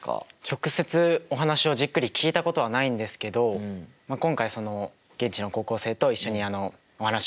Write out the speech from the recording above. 直接お話をじっくり聞いたことはないんですけど今回現地の高校生と一緒にお話を聞きに行かしていただきました。